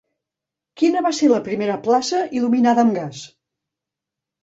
Quina va ser la primera plaça il·luminada amb gas?